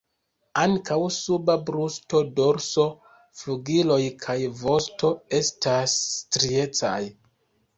Ankaŭ suba brusto, dorso, flugiloj kaj vosto estas striecaj.